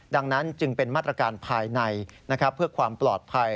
ดังนั้นจึงเป็นมาตรการภายในเพื่อความปลอดภัย